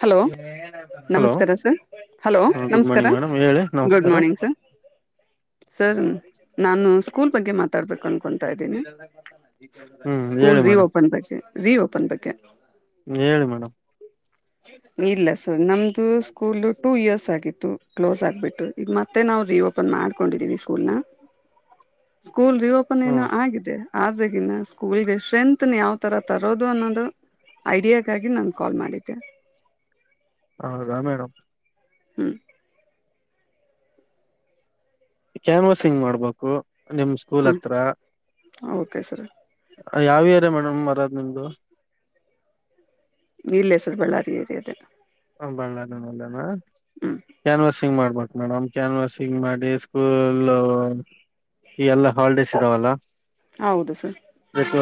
Hello hello ನಮಸ್ಕಾರ sir hello good ನಮಸ್ಕಾರ morning madam ಹೇಳಿ ಗುಡ್ ನಮಸ್ಕಾರ ಮಾರ್ನಿಂಗ್ ಸರ್ ಸರ್ ನಾನು ಸ್ಕೂಲ್ ಬಗ್ಗೆ ಮಾತಾಡ್ಬೇಕುಂ ಇದ ಹ್ಮ್ ಸ್ಕೂಲ್ ಹೇಳಿ ಮೇಡಮ್ ರಿಓಪನ್ ಬಗ್ಗೆ ರಿಓಪನ್ ಬಗ್ಗೆ ಹೇಳಿ ಮೇಡಮ್ ಇದು ಸ್ಕೂಲ್ ಟೂ ಇಯರ್ಸ್ ಆಗಿತ್ತು ಕ್ಲೋಸ್ ಆಗ್ಬಿಟ್ಟು ಈಗ ಮತ್ತೆ ನಾವು ರಿಓಪನ್ ಮಾಡ್ಕೊಂಡಿದೀವಿ ಸ್ಕೂಲ್ ನ ಸ್ಕೂಲ್ ರಿಓಪನ್ ಏನು ಹ್ಮ್ ಆಗಿದೆ ಆಗಿನ ಸ್ಕೂಲ್ಗೆ ಸ್ಟ್ರೆಂತ್ನ ಯಾವ್ ತರ ತರೋದು ಅನ್ನೋದು ಐಡಿಯಾಗಾಗಿ ನಾನು ಕಾಲ್ ಮಾಡಿದ್ದೆ ಹೌದಾ ಮೇಡಮ್ ಹ್ಮ್ ಕ್ಯಾನ್ವಸಿಂಗ್ ಮಾಡ್ಬೇಕು ನಿಮ್ ಸ್ಕೂಲ್ ಹ್ಮ್ ಹತ್ರ ಓಕೆ ಸರ್ ಯಾವ ರ ಮೇಡಮ್ ಮರದ್ ನಿಮ್ದು ಇಲ್ಲೇ ಸರ್ ಬಳ್ಳಾರಿ ಏರಿಯದೆ ಹ ಬಳ್ಳಾರಳ್ಳಾನ ಹ್ಮ್ ಕ್ಯಾನ್ವಸಿಂಗ್ ಮಾಡ್ಬ ಮೇಡಮ್ ಕ್ಯಾನ್ವಸಿಂಗ್ ಮಾಡಿ ಸ್ಕೂಲ್ ಈ ಎಲ್ಲ ಹಾಲಿಡೇಸ್ ಇದಾವಲ್ಲ ಹೌದು ಸರ್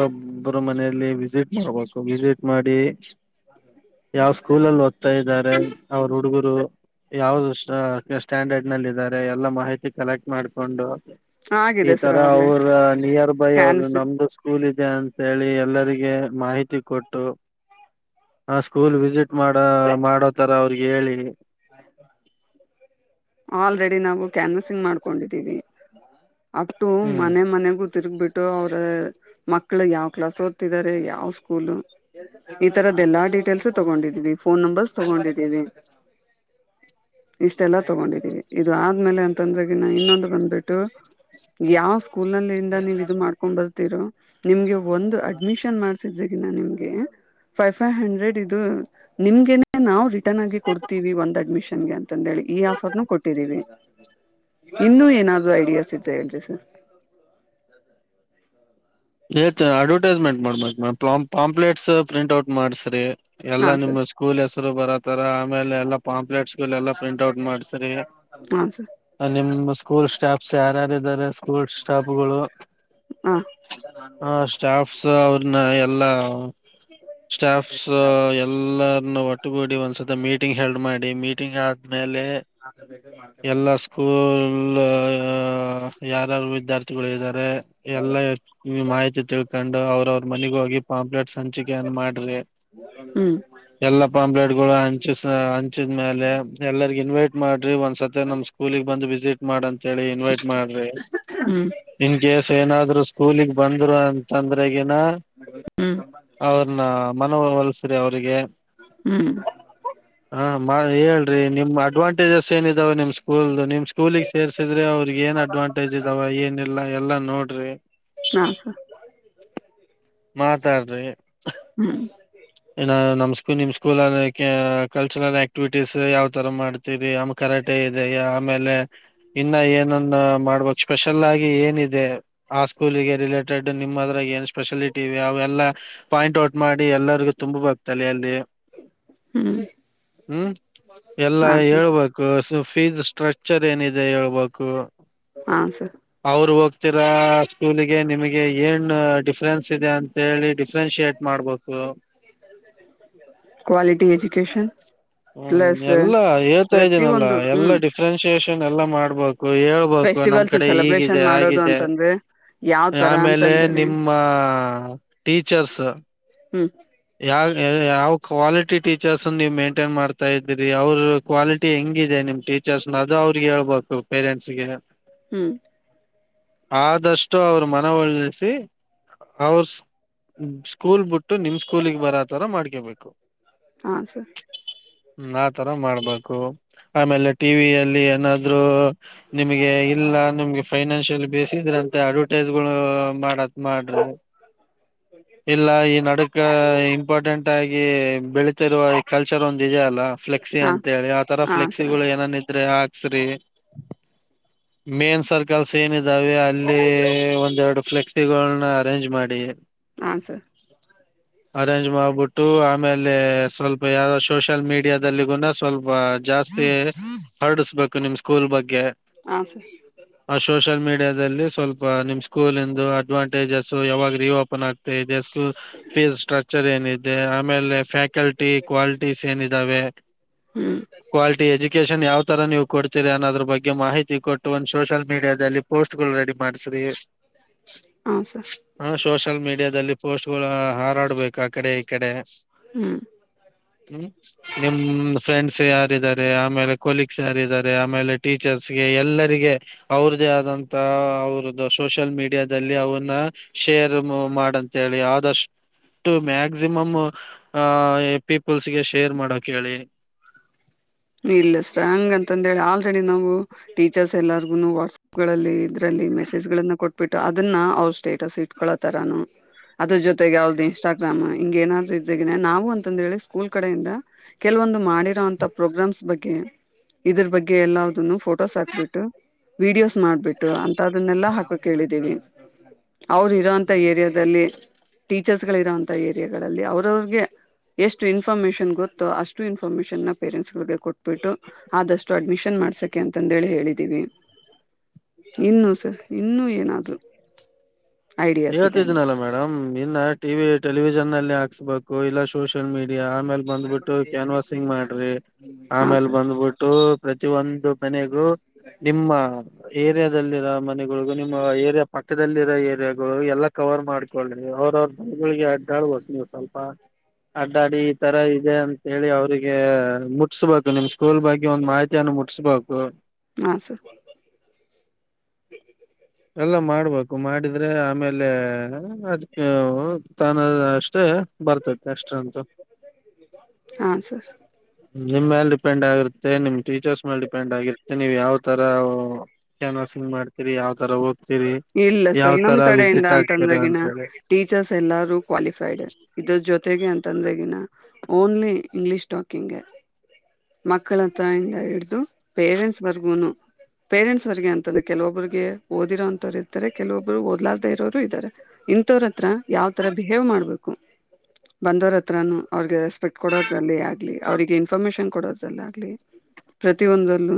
ಒಬ್ಬರ ಮನೆಯಲ್ಲಿ ವಿಸಿಟ್ ಮಾಡ್ಬೇಕು ವಿಸಿಟ್ ಮಾಡಿ ಹ ಮ ಇದ ಅವ್ರ ಹುಡುಗರು ಯಾವ್ದ ಸ್ಟ್ಯಾಂಡರ್ಡ್ ನಲ್ಲಿ ಇದಾರೆ ಎಲ್ಲಾ ಮಾಹಿತಿ ಕಲೆಕ್ಟ್ ಮಾಡ್ಕೊಂಡು ಈ ಆಗಿದೆ ಸರ್ ತರ ಅವಾಗ್ಲೇ ಅವ್ರ ನಿಯರ್ ಬೈ ಅವರು ಕ್ಯಾನ್ವಸಿಂಗ್ ನಮ್ದು ಸ್ಕೂಲ್ ಇದ ಅಂತ ಹೇಳಿ ಎಲ್ಲರಿಗೆ ಮಾಹಿತಿ ಕೊಟ್ಟು ಆ ಸ್ಕೂಲ್ ವಿಸಿಟ್ ಮಾಡ ಮಾಡೋತರ ಅವ್ರಿಗೆ ಹೇಳಿ ಆಯ್ತಾ ಆಲ್ರೆಡಿ ನಾವು ಕ್ಯಾನ್ವಸಿಂಗ್ ಮಾಡ್ಕೊಂಡಿದ್ದೀವಿ ಅು ಹ್ಮ್ ಮನೆ ಮನೆಗೂ ತಿರ್ಗ್ ಬಿಟ್ಟು ಅವರ ಮಕ್ಕಳು ಯಾವ್ ಕ್ಲಾಸ್ ಓದ್ತಿದ್ದಾರೆ ಯಾವ್ ಸ್ಕೂಲ್ ಈ ತರದ್ದ ಎಲ್ಲ ಡೀಟೇಲ್ಸ್ ತಗೊಂಡಿದೀವಿ ಫೋನ್ ನಂಬರ್ಸ್ ತಗೊಂಡಿದ್ದೀವಿ. ಇಷ್ಟೆಲ್ಲ ತಗೊಂಡಿದ್ದೀವಿ ಇದು ಆದ್ಮೇಲೆ ಅಂತಂದ್ರೆ ನಾ ಇನ್ನೊಂದು ಬಂದ್ಬಿಟ್ಟು ಯಾವ್ ಸ್ಕೂಲ್ ನಲ್ಲಿದ ನೀವ್ ಇದು ಮಾಡ್ಕೊಂಡ್ ಬರ್ತಿರೋ ನಿಮ್ಗೆ ಒಂದು ಅಡ್ಮಿಷನ್ ಮಾಡ್ಸಿದ [unintelligible] ನಿಮ್ಗೆ ಫೈವ್ ಫೈವ್ಹ್ರೆಡ್ ಇದು ನಿಮಗೇನೇ ನಾವ್ [unintelligible] ಗಿ ಕೊಡ್ತೀವಿ ಒಂದ್ ಅಡ್ಮಿಷನ್ ಅಂತದ್ ಹೇಳಿ ಈ ಆಫರ್ ಕೊಟ್ಟಿದೀವಿ ಇನ್ನು ಏನಾದೂ ಐಡಿಯಾಸ್ ಇದ [unintelligible] ಡ್ರಸ ಏತ ಅಡ್ವರ್ಟೈಸ್ಮೆಂಟ್ ಮಾಡ್ಬೇಕು ಮ್ಯಾಮ್ ಪಾ ಪಾಂಪ್ಲಲೆಟ್ಸ್ ಪ್ರಿಂಟ್ ಔಟ್ ಮಾಡ್ಸ್ರಿ. ಹಾ ಎಲ್ಲಾ ನಿಮ್ ಸರ್ ಸ್ಕೂಲ್ ಹೆಸರು ಬರತರ ಆಮೇಲೆ ಎಲ್ಲಾ ಪಾಂಪ್ಲೆಟ್ಸ್ ಎಲ್ಲಾ ಪ್ರಿಂಟ್ ಔಟ್ ಮಾಡ್ಸ್ರರಿ ಹಾ ಸರ್ ಅಲ್ಲಿ ನಿಮ ಸ್ಕೂಲ್ ಸ್ಟಾಫ್ಸ್ ಯಾರಾರಾರೆ ಸ್ಕೂಲ್ ಸ್ಟಾಫಗಳು ಹಾ ಹ ಸ್ಟಾಫ್ಸ್ ಅವ್ರನ್ನ ಎಲ್ಲಾ ಸ್ಟಾಫ್ಸ್ ಎಲ್ಲರನ್ನ ಒಟ್ಟಗೂಡಿ ಒಂದ್ಸತ ಮೀಟಿಂಗ್ ಹಲ್ಡ್ ಮಾಡಿ ಮೀಟಿಂಗ್ ಆ ಆದ್ಮೇಲೆ ಎಲ್ಲಾ ಸ್ಕೂಲ್ ಯಾರಾರು ವಿದ್ಯಾರ್ಥಿಗಳು ಇದ್ದಾರೆ ಎಲ್ಲ ಈ ಮಾಹಿತಿ ತಿಳ್ಕೊಂಡು ಅವ್ರ ಅವ್ರ ಮನೆಗ ಹೋಗಿ ಪಾಂಪ್ಲೆೇಟ್ ಸಂಂಚಿಕೆಯನ್ ಮಾಡ್ರಿ ಹ್ಮ್ ಎಲ್ಲಾ ಪಾಂಪ್ಲೇಟ್ಗಳು ಹಂಚಿಸ ಹಂಚಿದ್ಮೇಲೆ ಎಲ್ಲರಿಗು ಇನ್ವೈಟ್ ಮಾಡ್ರಿ ಒಂದ್ ಸತಿ ನಮ್ಮ್ ಸ್ಕೂಲಿಗೆ ಬಂದು ವಿಸಿಟ್ ಮಾಡಂತ ಅಂತೇಳಿ ಇನ್ವೈಟ್ ಮಾಡ್ರಿ ಹ್ಮ್ ಇನ್ ಕೇಸ್ ಏನಾದ್ರು ಸ್ಕೂಲಿಗೆ ಬಂದ್ರು ಅಂತಂದ್ರೆ ಈಗನಾ ಹ್ಮ್ ಅವ್ರನ್ನ ಮನವವಲಸ್ರಿ ಅವಿಗೆ ಹ್ಮ್ ಹೇಳ್ರಿ ನಿಮ್ಮ್ ಅಡ್ವಾಂಟೇಜಸ್ ಏನ ಇದಾವ ನಿಮ್ ಸ್ಕೂಲ್ದ್ ನಿಮ್ ಸ್ಕೂಲಿಗೆ ಸೇರ್ರಿಸಿದ್ರೆ ಅವ್ರಗ್ ಏನ್ ಅಡ್ವಾಂಟೇಜ್ ಇದಾವ ಏನಿಲ್ಲಲ್ಲ ಎಲ್ಲಾ ನೋಡ್ರಿ [unintelligible] ಮಾತಾಡ್ರಿ ಹ್ಮ್ ನಮ್ಕೂ ನಿಮ್ ಸ್ಕೂಲ್ ಕಲ್ಚರಲ್ ಆಕ್ಟಿವಿಟೀಸ್ ಯಾವ್ ತರ ಮಾಡ್ತೀವಿ ಅಮಾಕ [unintelligible] ರಟೆ ಇದೆ ಆಮೇಲೆ ಇನ್ನ ಏನನ್ನ ಮಾಡ್ಬಕ್ ಸ್ಪೆಷಲ್ ಆಗಿ ಏನ ಇದೆ. ಆ ಸ್ಕೂಲಿಗೆ ರಿಲೇಟೆಡ್ ನಿಮ್ಮದ್ರಾಗ ಏನ್ ಸ್ಪೆಷಾಲಿಟಿ ಇದೆ ಅವೆಲ್ಲ ಪಾಯಿಂಟ್ ಔಟ್ ಮಾಡಿ ಎಲ್ಲರಿಗೂ ತುಂಬಬೇಕು ತಲೆಯಲ್ಲಿ. ಹ್ಮ್ ಹ್ಮ್ ಎಲ್ಲ ಹಾ ಸರ್ ಹೇಳ್ಬೇಕು ಸು ಫೀಸ್ ಸ್ಟ್ರಕ್ಚರ್ ಏನಿದೆ ಹೇಳ್ಬೇಕು. ಹಾ ಸರ್ ಅವರು ಹೋಗ್ ಚಿರ ಸ್ಕೂಲಗೆ ನಿಮಗೆ ಏನ್ ಡಿಫ್ರೆನ್ಸ್ ಇದೆ ಅಂತೇಳಿ ಡಿಫ್ರೆನ್ಷಿಯೇಟ್ ಮಾಡ್ಬೇಕು. Quality education. ಹ್ಮ್ ಪ್ಲಸ್ ಎಲ್ಲಾ ಹೇಳ್ತಾ ಇದ್ದೀನಲ್ಲಾ ಪ್ರತಿಯೊಂದು ಎಲ್ಲಾ ಹ್ಮ್ ಡಿಫ್ರೆನ್ಸಿಯೇಷನ್ ಎಲ್ಲಾ ಮಾಡ್ಬೋದು ಹೇಳ್ಬೇಕು ನಮ್ ಫೆಸ್ಟಿವಲ್ಸ್ ಕಡೆ ಸೆಲೆಬ್ರೇಷನ್ ಈಗಿದೆ ಮಾಡೋದು ಆಗಿದೆ. ಅಂತಂದ್ರೆ ಯಾವ ತರ ಆಮೇಲೆ ಅಂತಂದೇಳಿ ನಿಮ್ಮ ಟೀಚರ್ಸ್ ಹ್ಮ್ ಯಾವ ಯಾವ ಕ್ವಾಲಿಟಿ ಟೀಚರ್ಸ್ ಅ ನೀವು ಮೇಂಟ್ ಟೈನ್ ಮಾಡ್ತಾ ಇದ್ದೀರಿ ಅವ್ರ ಕ್ವಾಲಿಟಿ ಹೆಂಗಿದೆ ನಿಮ್ ಟೀಚರ್ಸ್ ಅದು ಅವ್ರಗ್ ಹೇಳ್ಬೇಕು ಪೇರೆಂಟ್ಸ್ಗೆ. ಹ್ಮ್ ಆದಷ್ಟು ಅವ್ರ ಮನವೊಲಿಸಿ ಅವ್ರ ಸ್ಕೂಲ್ ಬಿಟ್ಟು ನಿಮ್ ಸ್ಕೂಲಗ್ ಬರತರ ಮಾಡ್ಕೇಬೇಕು. ಹಾ ಹ್ಮ ಆತರ ಮಾಡ್ಬೇಕು. ಆಮೇಲೆ ಟಿವಿಯಲ್ಲಿ ಏನಾದ್ರು ನಿಮಗೆ ಇಲ್ಲ ನಿಮ್ಗೆ ಫೈನಾನಶಿಯಲ್ ಬೇಸ ಇದ್ರಂತೆ ಅಡ್ವರ್ಟೈಸ್ಗಳು [unintelligible] ಮಾಡತ್ ಮಾಡ್ರಿ ಇಲ್ಲ ಈ ನಡ ಇಂಪಾರ್ಟೆಂಟ್ ಆಗಿ ಬೆಳೀತಿರುವ ಈ ಕಲ್ಚರ್ ಒಂದ ಇದೆ ಅಲ್ಲ. ಫ್ಲೆಕ್ಿ ಹಾ ಅಂತ ಹೇಳಿ ಆತರ ಹಾ ಫ್ಲೆಕ್ಸಿ ಸರ್ ಗಳು ಏನನ್ ಇದ್ರೆ ಹಾಕ್ಸ್ರಿ ಮೇನ್ ಸರ್ಕಲ್ಸ್ ಏನ ಇದಾವೆ ಅಲ್ಲಿ ಒಂದೆರಡು ಫ್ಲೆಕ್ಸ್ ಅರೇಂಜ್ ಮಾಡಿ ಹಾ ಸರ್ ಅರೇಂಜ್ ಮಾಡಬಿಟ್ಟ ಆಮೇಲೆ ಸ್ವಲ್ಪ ಯಾವ ಸೋಷಲ್ ಮೀಡಿಯಾದಲ್ಲಿಗೂನ ಸ್ವಲ್ಪ ಜಾಸ್ತಿ ಹರಡಿಸ್ಬೇಕು ನಿಮ್ ಸ್ಕೂಲ್ ಬಗ್ಗೆ. ಹಾ ಸರ್ ಸೋಷಲ್ ಮೀಡಿಯಲ್ಲಿ ಸ್ವಲ್ಪ ನಿಮ್ ಸ್ಕೂಲ್. ದು ಅಡ್ವಾಂಟೇಜಸ್ ಯಾವಾಗ ರಿಓಪನ್ ಆಗ್ತ. ಇದೆ ಸ್ಕೂಲ್ ಫೀಸ್ ಸ್ಟ್ರಕ್ಚರ್ ಏನಿದೆ ಆಮೇಲೆ ಫ್ಯಾಕಲ್ಟಿ. ಕ್ವಾಲಿಟೀಸ್ ಏನ ಇದಾವೆ ಹ್ಮ್ ಕ್ವಾಲಿಟಿ ಎಜುಕೇಶನ್ ಯಾವ್ ತರ ನೀವು. ಕೊಡ್ತೀರರಿ ಅನ್ನೋದ್ರ ಬಗ್ಗೆ ಮಾಹಿತಿ ಕೊಟ್ಟು ಒಂದು್ ಸೋಷಿಯಲ್ ಮೀಡಿಯಾದಲ್ಲಿ ಪೋಸ್ಟ್ ಗಳು ರೆಡಿ ಮಾಡ್ವಿ. ಹಾ ಸರ್ ಹ ಸೋಷಲ್ ಮೀಡಿಯ. ಇಂಡಿಯಾದಲ್ಲಿ ಪೋಸ್ಟ್ ಗಳು ಹಾರಾಡ್ಬೇಕು ಆ ಕಡೆ. ಕಡೆ ಹ್ಮ್. ಹ್ಮ್ ನಿಮ ಫ್ರೆಂಡ್ಸ್ ಯಾರಾರ. ಆಮೇಲೆ ಕೊಲೀಕ್ಸ್ ಯಾರಿದ್ದಾರೆ ಆಮೇಲೆ ಟೀಚರ್ಸ್ಗೆ ಎಲ್ಲರಿಗೆ. ಅವ್ರ್ದೇ ಆದಂತ. ಅವ್ರದ್ದ ಸೋಷಿಯಲ್ ಮೀಡಿಯಾದಲ್ಲಿ ಅವನ್ನ ಶೇರ್ ಮಾಡಂತ ಹೇಳಿ ಆದಷ್ಟ. ಮ್ಯಾಕ್ಸಿಮಮ್ ಆ. ಪೀಪಲ್ಸ್ಗೆ ಶೇರ್ ಮಾಡೋ ಹೇಳಿ. ಇಲ್ಲ ಸ ಹಂಗ ಅಂತಂದ ಹೇಳಿ ಆಲ್ರೆಡಿ ನಾವು ಟೀಚರ್ಸ್ ಎಲ್ಲಾರ್ಗು ವಾಟ್ಸಪ್ ಗಳಲ್ಲಿ ಇದ್ರಲ್ಲಿ. ಮೆಸೇಜ್ ನ್ನ ಕೊಟ್ಬಿಟ್ಟು ಅದನ್ನ ಅವ್ ಸ್ಟೇಟಸ್ ಇಟ್ಕಳತಾರಾನ. ಅದ್ರ ಜೊತೆಗೆ ಯಾವ್ದು ಇನ್ಸ್ಟಾಗ್ರಾಮ್ ಹಿಂಗ ಏನಾದ್ರು ಇದ್ದನ ನಾವು ಅಂತಂದ ಹೇಳಿ ಸ್ಕೂಲ್ ಕಡೆಯಿಂದ ಕೆಲ, ಂದು ಮಾಡಿರೋಂತ ಪ್ರೋಗ್ರಾಮ್ಸ್ ಬಗ್ಗೆ ಇದ್ರ ಬಗ್ಗೆ ಎಲ್ಲನು ಫೋಟೋಸ್ ಹಾಕ್ಬಿಟ್ಟು. ವಿಡಿಯೋಸ್ ಮಾಡ್ಬಿಟ್ಟು ಅಂತ ಅದನ್ನೆಲ್ಲಾ ಹಾಕೋ ಕೇಳಿದ್ದೀವಿ. ಅವ್ರ ಇರೋಂತಥ ಏರಿಯಾದಲ್ಲಿ ಟೀಚರ್ಸ್ ಗಳ ಇರೋಂತಥ ಏರಿಯಾಗಳಗಳಲ್ಲಿ ಅವ್ರವ್ರಗೆ. ಎಷ್ಟು ಇನ್ಫಾರ್ಮೇಶನ್ ಗೊತ್ತುೋ ಅಷ್ಟು ಇನ್ಫಾರ್ಮೇಶನ್ ನ. ಪೇರೆಂಟ್ಸ್ ಕೊಟ್ಬಿಟ್ಟು ಆದಷ್ಟು ಅಡ್ಮಿಷನ್ ಮಾಡ್ಸಕೆ ಅಂತಂದೇಳಿ ಹೇಳಿದೀವಿ. ಇನ್ನುೂ ಸರ್ ಇನ್ನೂ ಏನದು. ಹೇಳ್ತಿದನಲ್ಲಾ ಮೇಡಮ್ ಇನ್ನ ಟಿವಿ ಟೆಲಿವಿಷನ್ ಅಲ್ಲಿ ಹಾಕ್ಸ್ಬೇಕು ಇಲ್ಲ ಸೋಷಲ್ ಮೀಡಿಯಾ. ಆಮೇಲ್ ಬಂದ್ಬಿಟ್ಟು ಕ್ಯಾನ್ವಾಸಿಂಗ್ ಮಾಡ್ರಿ ಹಾ ಆಮೇಲ್ ಸರ್ ಬಂದ್ಬಿಟ್ಟು. ಪ್ರತಿಯ ಒಂದು ಮನೆಗೂ ನಿಮ್ಮ ಏರಿಯಾದಲ್ಲಿರ. ಮನೆಗಳಿಗ ನಿಮ್ಮ ಏರಿಯಾ ಪಕ್ಕದಲ್ಲಿ ಇರೋ ಏರಿಯಾಗ. ಎಲ್ಲಾ ಕವರ್ ಮಾಡ್ಕಳಿ ಅವ್ರವ್ರ ಬಗಳಿಗೆ ಅಡ್ಡಾಳ್ಬೋು ನೀವು ಸ್ವಲ್ಪ. ಅಡ್ಡಾಡಿ ಈ ತರ ಇದೆ ಅಂತೇಳಿ ಅವ್ರಿಗೆ ಮುಟ್ಸ್ಬೇಕು ನಿಮ್ ಸ್ಕೂಲ್ ಬಗ್ಗೆ ಒಂದ್ ಮಾಹಿತಿ ಅನ್ನು. ಮುಟ್ಸ್ಬೇಕು. ನ ಸ. ಎಲ್ಲ ಮಾಡ್ಬೇಕು ಮಾಡಿದ್ರೆ ಆಮೇಲೆ ಅದ್ಕ್ಕೆ ತಾನ ಅಷ್ಟೇ. ಬರ್ತೈತೆ ಎಕ್ಸ್ಟ್ರಾ ಅಂತ. ಹಾ ಸರ್ ನಿಮ್ ಮೇಲೆ ಡಿಪೆಂಡ್ ಆಗಿರುತ್ತೆ ನಿಮ್ ಟೀಚರ್ಸ್ ಮೇಲೆ ಡಿಪೆಂಡ್ ಆಗಿರುತ್ತೆ ನೀವು್ ಯಾವ್ ತರ ಕೆ. ್ ಮಾಡ್ತತಿರಿ ಯ. ಇಲ್ಲ ಸರ್ ನಮ ಕಡೆಯಿಂದ ವಿಸಿಟ್ ಆಗ್ತೀರಿ ಅಂತಂದಾಗಿನ ಅಂತೇಳಿ ಹೇಳ್ಬೇಕ್ ಟೀಚರ್ಸ್ ಎಲ್ಲಾರೂ ಕ್ವಾಲಿಫೈಡ್. ಇದ ಜೊತೆಗೆ ಅಂತಂದ್ರೆಗಿನ ಓನ್ಲಿ ಇಂಗ್ಲಿೀಷ್ ಟಾಕಿಂಗಗೆ. ಮಕ್ಕಳತ್ತ ಹಿಂದ ಹಿಡ್ದು. ಪೇರೆಂಟ್ಸ್ ಬರ್ಗೂನು ಪೇರೆಂಟ್ಸ್ವರ್ಗೆ ಅಂತದೆ ಕೆಲವೊಬ್ರಿಗೆ. ಓದಿರೋ ಅಂತವ್ರು ಇರ್ತ ಕೆಲೊಬ್ರು ಓದಲಾರ್ದ ಇರೋರು ಇದ್ದಾರೆ ಇಂಥವ್ರ ಹತ್ರ ಯಾವ್ ತರ ಬಿಹೇವ್ ಮಾಡ್ಬೇಕು. ಬಂದವರ ಹತ್ರ ಅವ್ರಿಗೆ ರೆಸ್ಪೆಕ್ಟ್ ಕೊಡೋದಲ್ಲಿ ಆಗ್ಲಿ ಅವ್ರಿಗೆ ಇನ್ಫಾರ್ಮೇಶಷನ್. ಕೊಡೋದಲ್ಲ ಆಗ್ಲಿ ಪ್ರತಿಿಯ ಒಂದಲ್ಲೂ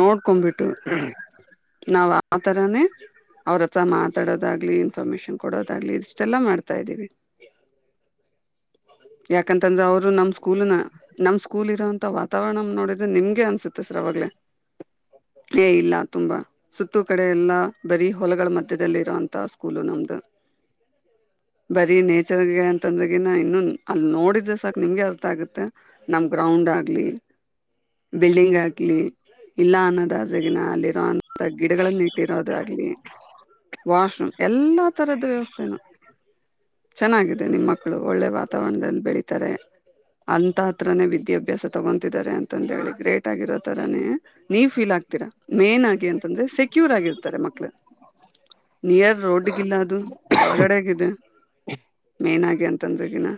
ನೋಡ್ಕೊಂಡ್ಬಿಟ್ಟ. ಹ್ಮ್. ನಾವು ಆ ತರಾನ. ಅವ್ರ ಹತ್ರ ಮಾತಾಡೋದಾಗ್ಲಿ ಇನ್ಫಾರ್ಮೇಶನ್ ಕೊಡೋದಾಗ್ಲಿ ಇಷ್ಟೆಲ್ಲ ಮಾಡ್ತಾ ಇದ್ದೀವಿ. ಹ ಯಾಕಂತಂದ್ರ ಅವ್ರು ನಮ್ ಸ್ಕೂಲ್ನ ನಮ್ ಸ್ಕೂಲ್ ಇರೋಂತ ವಾತಾವರಣ ನೋಡಿದ್ರೆ ನಿಮ್ಗೆ ಅನ್ಸುತ್ತೆ ಸರ್ ಅವಾಗ್ಲೆ. ಏ ಇಲ್ಲ ತುಂಬಾ. ಸುತ್ತೂ ಕಡೆ ಎಲ್ಲಾ ಬರೀ ಹೊಲಗಳ ಮಧ್ಯದಲ್ಲಿ ಇರೋಂತ ಸ್ಕೂಲು ನಮ್ದು. ಬರೀ ನೇಚರ್ಗೆ ಅಂತಂದನ ಇನ್ನು ಅಲ್ಲಿ ನೋಡಿದ್ರೆ ಸಾಕ ನಿಮ್ಗೆ ಅರ್ಥ ಆಗುತ್ತೆ ನಮ್ ಗ್ರೌಂಡ್ ಡಗ್ಲಿ ಬಿಲ್ಡಿಂಗ್ ಆಗ್ಲಿ ಇಲ್ಲ ಅನ್ನೋದದೇಗಿನ ಅಲ್ಲಿರೊ ಅಂ ಗಿಡಗಳನ್ನ ಇಟ್ಟಿರೋದಾಗ್ಲಿ ವಾಶ್ರೂಮ್ ಎಲ್ಲಾ ತರದ್ ವ್ಯವಸ್ ಚನ್ ಚೆನ್ನಾಗಿದೆ ನಿಮ್ಮ ಮಕ್ಕಳು ಒಳ್ಳೆ ವಾತಾವರ್ಣದಲ್ ಬೆಳೀತಾರೆ. ಅಂತ ಹತ್ರನೇ ವಿದ್ಯಾಭ್ಯಾಸ ತಗೊಂತಿದ್ದಾರೆ ಅಂತಂತ ಹೇಳಿ ಗ್ರೇಟ್ ಆಗಿರೋ ತರಾನೇ ನೀವ್ ಫೀಲ್ ಆಗ್ ತಿರ ಮೇನ್ ಆಗಿ ಅಂತಂದ್ರೆ ಸೆಕ್ಯೂರ್ ಆಗಿರ್ತಾರೆ ಮಕ್ಳು. ನಿಯರ್ ರೋಡ್ಗಿಲ್ಲ ಅದು ಒಳ್ಗಡೆಗಿದೆ. ಮೇನ್ ಆಗಿ ಅಂತಂದ್ರಗಿನ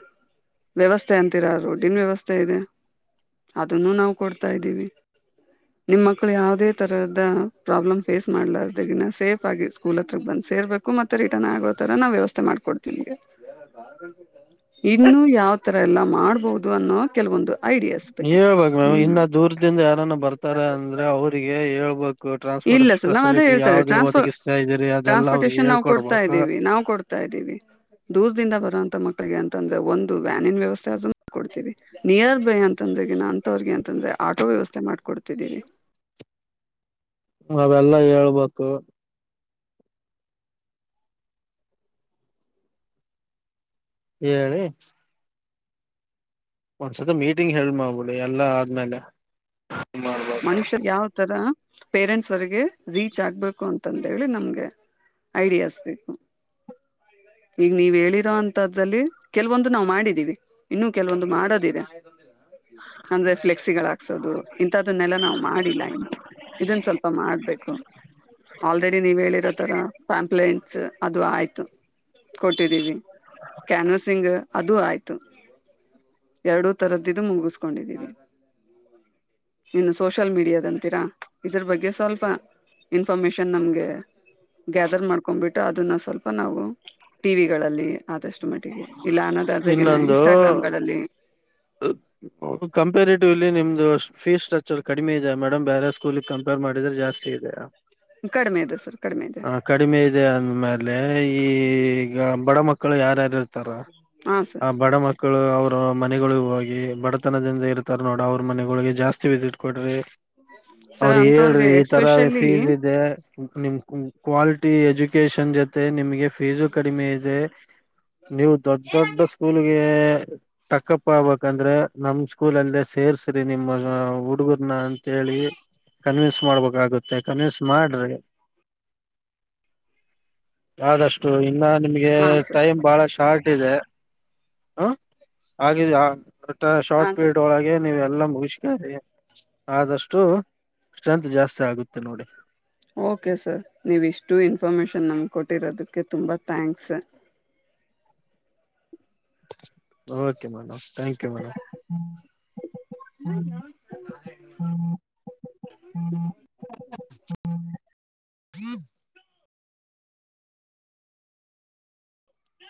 ವ್ಯವಸ್ ಅಂತೀರಾ ರೋಡಿನ್ ವ್ಯವಸ್ಥೆ ಇದೆ ಅದನ್ನು ನಾವ್ ಕೊಡ್ತಾ ಇದ್ದೀವಿ. ನಿಮ್ಮ್ ಮಕ್ಳು ಯಾವ್ದೇ ತರದ. ಪ್ರಾಬ್ಲಮ್ ಫೇಸ್ ಮಾಡ್ಲಾರ್ದಗಿನ ಸೇಫ್ ಆಗಿ ಸ್ಕೂಲ್ ಹತ್ರ ಬಂದ್ ಸೇರ್ಬೇಕು ಮತ್ತೆ ರಿಟರ್ನ್ ಆಗೋ ತರ ನಾ ವ್ಯವಸ್ಥೆ ಮಾಡ್ ಕೊಡ್ತೀವ್ ನಿಮ್ಗೆ. ಇನ್ನು ಯಾವ್ ತರ ಎಲ್ಲ ಮಾಡ್ಬೋದು ಅನ್ನೋ ಕೆಲ್ವೊಂದು ಐಡಿಯಾಸ್ಬೇಕ್. ಹೇಳ್ಬೇಕ್ ಮೇಮ್ ಇನ್ನ ದೂರ್ದಿಂದ ಯಾರನ್ನ ಬರ್ತಾರ ಅಂದ್ರೆ ಅವ್ರಿಗೆ ಹೇಳ್ಬೇಕು. ಟ್ರಾನ್ಸ್ಪೋರ್ಟ್ ಇಲ್ಲ ಸರ್ ನಾವ್ ಅದೇ ಫೆಸಿಲಿಟಿ ಹೇಳ್ತಾರೆ ಯಾವ್ದೇ ಟ್ರಾನ್ಸ್ಫರ್ ಒದಗಿಸ್ತಾ ಇದೀರಿ ಅದೆಲ್ಲ ಅವ್ರಿಗೆ ಹೇಳ್ಕೊಡ್ಬೇಕು. ದಿವಿ ದೂರ್ದಿಂದ ಬರೊಂ ತ ಮಕ್ಳಿಗೆ ಅಂತಂದ್ರೆ ಒಂದು ವ್ಯಾನಿನ್ ವ್ಯವಸ್ಥೆ ಅಂತು ಕೊಡ್ತವಿ ನಿಯರ್ ಅಂತಂದ್ರೆಗಿನ ಅಂತವ್ರಿಗೆ ಅಂತಂದ್ರೆ ಆಟೋ ವ್ಯವಸ್ಥೆ ಮಾಡ್ಕೊಡ್ತಿದ್ದೀನಿ. ಅವೆಲ್ಲಾ ಹೇಳ್ಬೇಕು. ಹೇಳಿ ಒಂದ್ಸತಿ ಮೀಟಿಂಗ್ ಹೇಲ್ಡ್ ಮಾಡ್ಬಿಡಿ ಎಲ್ಲಾ ಆದ್ಮೇಲೆ. ಮಾಡ್ಬ ಮನುಷ್ಯ ಯಾವ್ ತರ ಪೇರೆಂಟ್ಸ್ವರೆಗೆ ರೀಚ್ ಆಗ್ಬೇಕು ಅಂತಂತ ಹೇಳಿ ನಮ್ಗೆ. ಐಡಿಯಾಸ್ ಬೇಕು. ಈಗ ನೀವ್ ಹೇಳಿರೋಂತದ್ರಲ್ಲಿ ಕೆಲ್ವೊಂದು ನಾವ್ ಮಾಡಿದೀವಿ ಇನ್ನು ಕೆಲ್ವೊಂದು ಮಾಡದಿದೆ. ಅಂದ್ರೆ ಫ್ಲೆಕ್ಸಿಗಳ್ ಹಾಕ್ಸೋದು ಇಂಂತದನ್ನೆಲ್ಲ ನಾವ್ ಮಾಡಿಲ್ಲ ಇನ್ನು. ಇದನ್ ಸ್ವಲ್ಪ ಮಾಡ್ಬೇಕು ಆಲ್ರೆಡಿ ನೀವ್ ಹೇಳಿರೋ ತರ ಪಾಮ್ಪ್ಲೇಂಟ್. ಸ್ ಅದು ಆಯ್ತು. ಕೊಟ್ಟಿದ್ದೀವಿ ಕ್ಯಾನ್ವಸಿಂಗ್ ಅದು ಆಯ್ತು. ಎರ್ಡು ತರದ್ದಿದ್ದು ಮುಗಿಸಕೊಂಡಿದ್ದೀವಿ. ಇನ್ನು ಸೋಷಲ್ ಮೀಡಿಯಾದಂತೀರಾ ಇದ್ರ ಬಗ್ಗೆ ಸ್ವಲ್ಪ. ಇನ್ಫಾರ್ಮೇಶನ್ ನಮ್ಗೆ ಗ್ಯಾದರ್ ಮಾಡ್ಕೊಬಿಟ್ಟು ಅದನ್ನ ಸ್ವಲ್ಪ ನಾವು. ಟಿವಿಗಳಲ್ಲಿ ಆದಷ್ಟು ಮಟ್ಟಿಗೆ ಇಲ್ಲ ಅನ್ನದಾಜಗಿನ ಇನ್ಸ್ಟಾಗ್ರಾಮ್ಗಳಲ್ಲಿ. ಕಂಪೇರ್ಟಿವ್ಲಿ ನಿಮ್ದು ಫೀಸ್ ಸ್ಟ್ರಕ್ಚರ್ ಕಡಿಮೆ ಇದೆ ಮೇಡಮ್ ಬೇರೆ ಸ್ಕೂಲ್ ಕಂಪೇರ್ ಮಾಡ್ ಮಾಡಿದ್ರೆ ಜಾಸ್ತಿ ಇದೆಯ. ಕಡಿಮೆ ಇದೆ ಸರ್ ಕಡ್ಮೆ ಇದೆ. ಹ ಕಡಿಮೆ ಇದೆ ಅಂದ್ಮೇಲೆ ಈ ಈಗ ಬಡ ಮಕ್ಳು ಯಾರ್ಯಾರ್ ಇರ್ತಾರ. ಹಾ ಸರ್ ಆ ಬಡ ಮಕ್ ಳು ಅವ್ರ ಮನೆಗಳಿಗ್ ಹೋಗಿ ಬಡತನದಿಂದ ಇರ್ತಾರ ನೋಡ ಅವ್ರ ಮನೆಗಳಿಗೆ ಜಾಸ್ತಿ ವಿಸಿಟ್ ಕೊಡ್ರಿ. ಸರ್ ಅವ್ರಿಗ್ ಅಂತವ್ರಿಗೆ ಹೇಳ್ರಿ ಈ ತರ ಎಸ್ಪೆಷಲಿ ಫೀಸ್ ಇದೆ ನಿಮ್ ಕು. ಕ್ವಾಲಿಟಿ ಎಜುಕೇಶನ್ ಜೊತೆ ನಿಮ್ಗೆ ಫೀಸು ಕಡಿಮೆ ಇದೆ. ನೀವು ದೊಡ್ ದೊಡ್ಡ ಸ್ಕೂಲ್ಗೆ. ತಕ್ಕಪ್ಪ ಆಗ್ಬಂದ್ರೆ ನಮ್ ಸ್ಕೂಲ್ ಅಲ್ಲೇ ಸೇರ್ಸ್ರಿ ನಿಮ್ಮ ಹುಡುಗರ್ನ ಅಂತೇಳಿ. ಕನ್ವಿನ್ಸ್ ಮಾಡ್ಬೇಕಾಗುತ್ತೆ ಕನ್ವಿನ್ಸ್ ಮಾಡ್ರಿ. [inaudible] ಯಾದಷ್ಟು ಇ ಇಲ್ಲ ನಿಮ್ಗೆ ಹಾ ಸರ್ ಟೈಮ್ ಬಹಳ ಶಾರ್ಟ್ ಇದೆ ಹ ಹಾಗಿದ ಹಾ ಶಾರ್ಟ್ ಸರ್ ಪೀರಿಯಡ್ ಒಳಗೆ ನೀವು ಎಲ್ಲ ಮುಗಿಸ್ಕಾರಿ ಆದಷ್ಟು ಸ್ಟ್ರೆಂತ್ ಜಾಸ್ತಿ ಆಗುತ್ತೆ ನೋಡಿ ಓಕೆ ಸರ್ ನೀವು ಇಷ್ಟು ಇನ್ಫಾರ್ಮೇಶನ್ ನಂಗೆ ಕೊಟ್ಟಿರೋದಕ್ಕೆ ತುಂಬ thanks sir okay madam thank you madam ಹ್ಮ ಹೀ